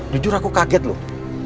jujur aku kaget loh